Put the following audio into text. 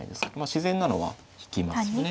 自然なのは引きますよね。